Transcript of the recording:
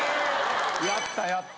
やったやった。